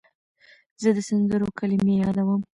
زه د سندرو کلمې یادوم.